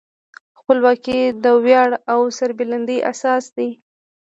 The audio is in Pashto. خپلواکي د ویاړ او سربلندۍ اساس دی.